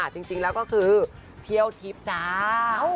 จริงแล้วก็คือเที่ยวทิพย์เจ้า